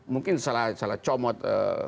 mungkin salah comot